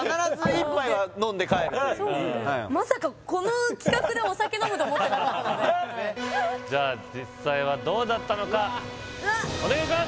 「夜会」来るとまさかこの企画でお酒飲むと思ってなかったのではいじゃあ実際はどうだったのかお願いします